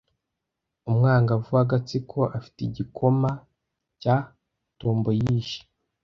Umwangavu w'agatsiko afite igikoma cya tomboyish